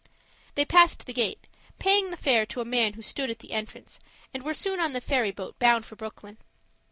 They passed the gate, paying the fare to a man who stood at the entrance, and were soon on the ferry boat, bound for Brooklyn.